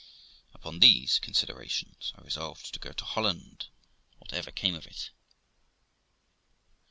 Upon these considerations, I resolved to go to Holland, whatever came of it.